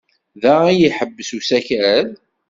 Da ay iḥebbes usakal?